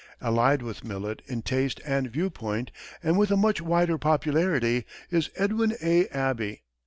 Allied with Millet in taste and viewpoint, and with a much wider popularity, is Edwin A. Abbey.